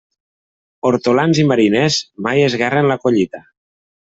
Hortolans i mariners, mai esguerren la collita.